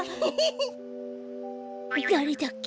だれだっけ？